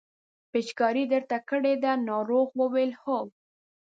پېچکاري یې درته کړې ده ناروغ وویل هو.